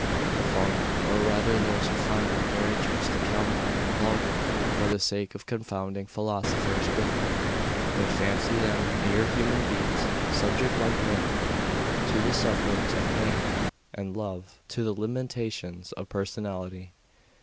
The vulgar, or rather those who find it their interest to calumniate the vulgar for the sake of confounding philosophers with them, may fancy them mere human beings, subject like man to the sufferings of pain and love, to the limitations of personality.